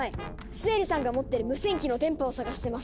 シエリさんが持ってる無線機の電波を探してます。